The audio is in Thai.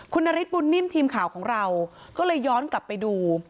คุณนฤทธบุญนิ่มทีมข่าวของเราก็เลยย้อนกลับไปดู